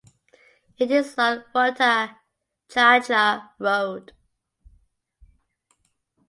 It is on Rohtak Jhajjar road.